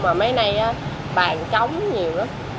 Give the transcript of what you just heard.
mà mấy nay á bàn trống nhiều lắm